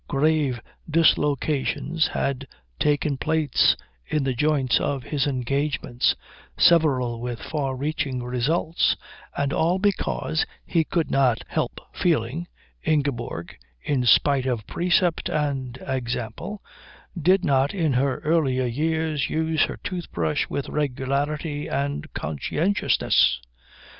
Grave dislocations had taken place in the joints of his engagements, several with far reaching results; and all because, he could not help feeling, Ingeborg, in spite of precept and example, did not in her earlier years use her toothbrush with regularity and conscientiousness.